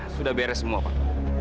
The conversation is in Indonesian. sudah beres semua pak